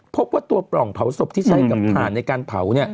พบว่าตัวปล่องเผาศพที่ใช้กับถ่านในการเผา